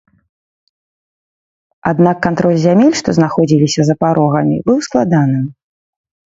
Аднак кантроль зямель, што знаходзіліся за парогамі, быў складаным.